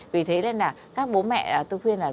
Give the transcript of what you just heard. vì thế nên là các bố mẹ tôi khuyên là